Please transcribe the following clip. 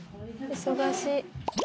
忙しい。